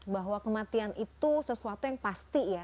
bahwa kematian itu sesuatu yang pasti ya